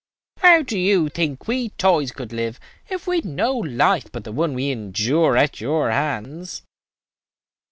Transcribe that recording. "How do you think we toys could live if we had no life but the one we endure at your hands?